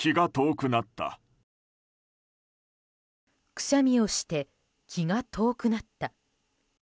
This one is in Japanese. くしゃみをして気が遠くなった。